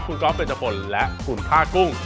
คุณก๊อฟเป็นเจ้าฝนและคุณพ่ากุ้ง